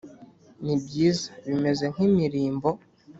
Ni byiza bimeze nk imirimbo